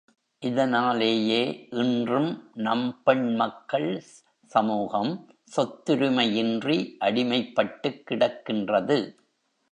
இதனாலேயே, இன்றும் நம் பெண் மக்கள் சமூகம், சொத்துரிமையின்றி அடிமைப்பட்டுக் கிடக்கின்றது.